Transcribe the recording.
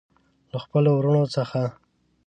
له خپلو وروڼو څخه.